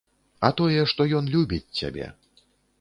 А тое, што ён любіць цябе.